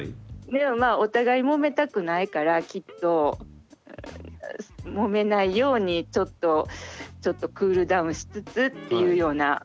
でもまあお互いもめたくないからきっともめないようにちょっとちょっとクールダウンしつつっていうような。